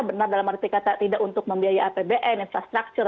benar dalam arti kata tidak untuk membiayai apbn infrastructure